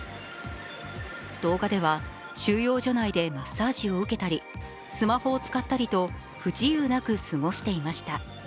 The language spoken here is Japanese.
動画では収容所内でマッサージを受けたりスマホを使ったりと、不自由なく過ごしていました。